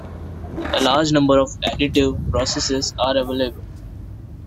A large number of additive processes are available.